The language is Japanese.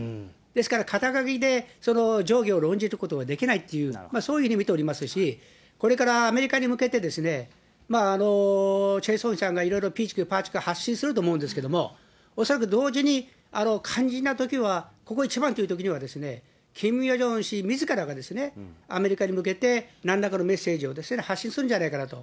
ですから、肩書で上下を論じることはできないと、そういうふうに見ておりますし、これからアメリカに向けて、チェ・ソニさんがいろいろぴーちくぱーちく発信すると思うんですけれども、恐らく同時に肝心なときは、ここ一番というときには、キム・ヨジョン氏みずからが、アメリカに向けてなんらかのメッセージを発信するんじゃないかなと。